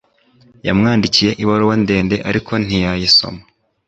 Yamwandikiye ibaruwa ndende ariko ntiyayisoma